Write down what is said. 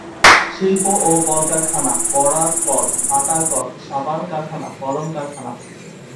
শিল্প ও কলকারখানা করাতকল, আটাকল, সাবান কারখানা, কলম কারখানা।